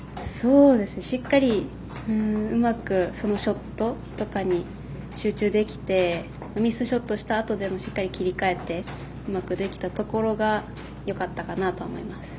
しっかりうまくショットとかに集中できてミスショットしたあともしっかり切り替えてうまくできたところがよかったかなと思います。